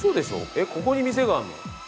えっここに店があるの？